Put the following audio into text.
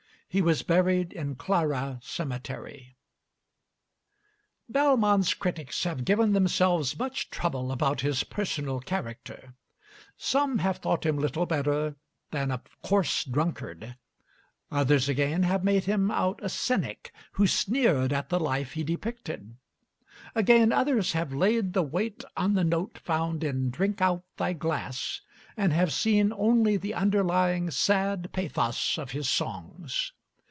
He was buried in Clara cemetery. Bellman's critics have given themselves much trouble about his personal character. Some have thought him little better than a coarse drunkard; others again have made him out a cynic who sneered at the life he depicted; again others have laid the weight on the note found in 'Drink out thy glass,' and have seen only the underlying sad pathos of his songs.